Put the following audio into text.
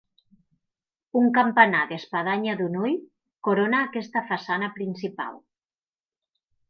Un campanar d'espadanya d'un ull, corona aquesta façana principal.